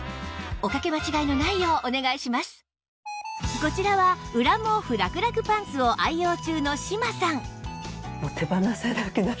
こちらは裏毛布らくらくパンツを愛用中の志麻さん